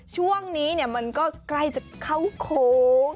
ช่วงนี้มันก็ใกล้จะเข้าโค้ง